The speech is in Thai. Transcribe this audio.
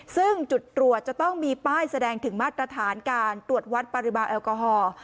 ซึ่งจุดตรวจจะต้องมีป้ายแสดงถึงมาตรฐานการตรวจวัดปริมาณแอลกอฮอล์